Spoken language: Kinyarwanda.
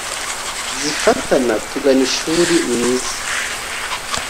zifata tugana ishuri mwiza